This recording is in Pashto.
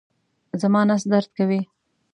زما نس درد کوي